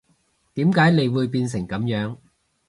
點解你會變成噉樣